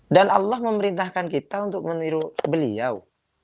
dan allah memerintahkan kita untuk meniru beliau